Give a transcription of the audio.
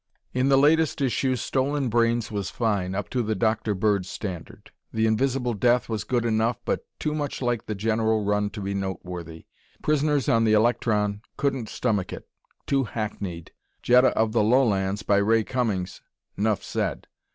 In the latest issue "Stolen Brains" was fine, up to the Dr. Bird standard. "The Invisible Death" was good enough, but too much like the general run to be noteworthy. "Prisoners on the Electron" couldn't stomach it. Too hackneyed. "Jetta of the Lowlands," by Ray Cummings; nuff said.